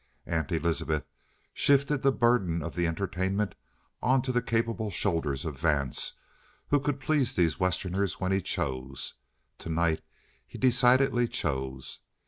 Aunt Elizabeth shifted the burden of the entertainment onto the capable shoulders of Vance, who could please these Westerners when he chose. Tonight he decidedly chose.